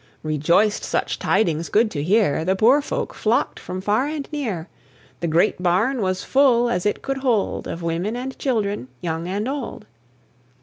Rejoiced such tidings good to hear, The poor folk flocked from far and near; The great barn was full as it could hold Of women and children, and young and old.